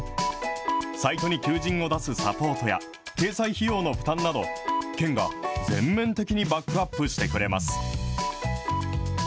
サイトに求人を出すサポートや、掲載費用の負担など、県が全面的にバックアップしてくれます。